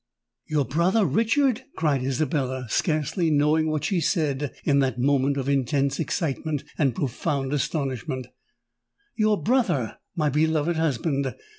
"Your brother, Richard!" cried Isabella, scarcely knowing what she said in that moment of intense excitement and profound astonishment: "your brother, my beloved husband?